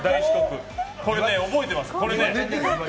これ覚えてます。